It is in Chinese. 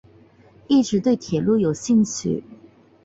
一直对铁路有兴趣。